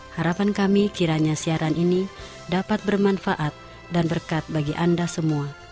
harapan kami kiranya siaran ini dapat bermanfaat dan berkat bagi anda semua